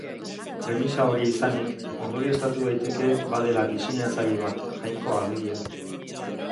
Premisa hori izanik, ondorioztatu daiteke badela diseinatzaile bat, Jainkoa alegia.